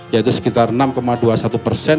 yaitu sekitar enam dua puluh satu persen